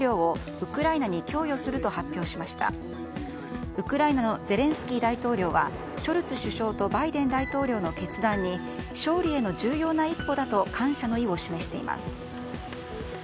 ウクライナのゼレンスキー大統領はショルツ首相とバイデン大統領の決断に勝利への重要な一歩だと感謝の意を示しています。